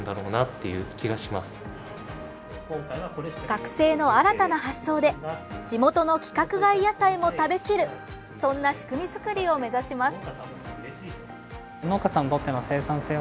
学生の新たな発想で地元の規格外野菜も食べきるそんな仕組み作りを目指します。